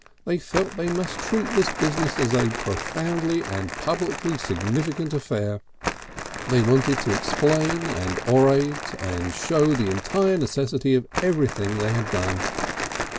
They felt they must treat this business as a profound and publicly significant affair. They wanted to explain and orate and show the entire necessity of everything they had done.